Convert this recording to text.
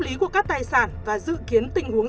lý của các tài sản và dự kiến tình huống